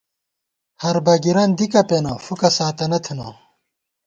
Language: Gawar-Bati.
ہر بَگِرَن دِکہ پېنہ ، فُوکہ ساتَنہ تھنہ